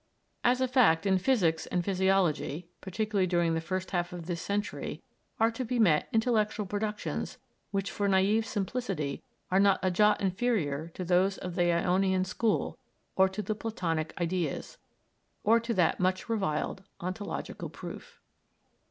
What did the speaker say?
As a fact, in physics and physiology, particularly during the first half of this century, are to be met intellectual productions which for naïve simplicity are not a jot inferior to those of the Ionian school, or to the Platonic ideas, or to that much reviled ontological proof.